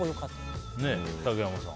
竹山さん。